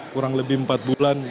kurang lebih empat bulan